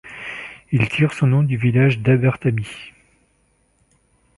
Il tire son nom du village d'Abertamy.